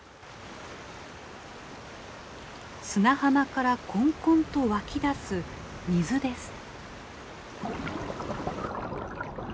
砂浜からこんこんと湧き出す水です。